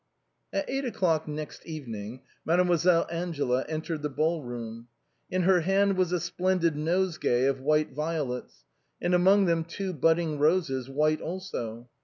At eight o'clock next evening. Mademoiselle Angela en tered the ball room ; in her hand was a splendid nosegay of white violets, and among them two budding roses, white also.